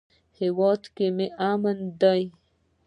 هیواد کې امن ده